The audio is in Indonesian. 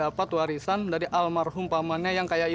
apa apa mau ajak kaga